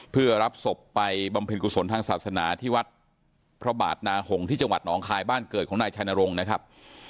เพื่อรับศพไปบำเพ็ญกุศลทางศาสนาที่วัดพระบาทนาหงที่จังหวัดหนองคายบ้านเกิดของนายชัยนรงค์นะครับ